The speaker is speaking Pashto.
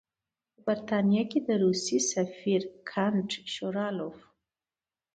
په برټانیه کې د روسیې سفیر کنټ شووالوف.